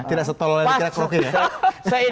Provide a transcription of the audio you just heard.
tidak setolah dikira kok ya